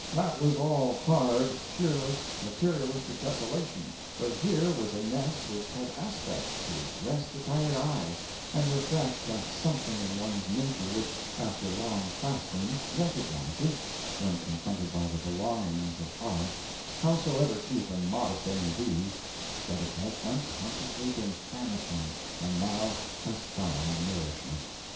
That was all hard, cheerless, materialistic desolation, but here was a nest which had aspects to rest the tired eye and refresh that something in one's nature which, after long fasting, recognizes, when confronted by the belongings of art, howsoever cheap and modest they may be, that it has unconsciously been famishing and now has found nourishment.